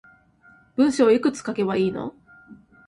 文章いくつ書けばいいの